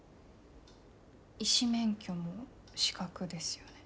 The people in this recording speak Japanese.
医師免許も資格ですよね。